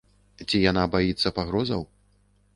Ці яна баіцца пагрозаў?